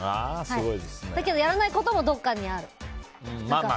だけど、やらないこともどこかにある。